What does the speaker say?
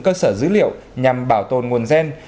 cơ sở dữ liệu nhằm bảo tồn nguồn gen